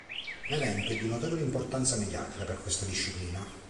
L'evento è di notevole importanza mediatica per questa disciplina.